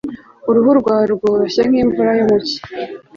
uruhu rwawe rworoshye nkimvura yo mu cyi